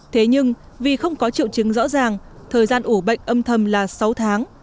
thế nhưng vì không có triệu chứng rõ ràng thời gian ủ bệnh âm thầm là sáu tháng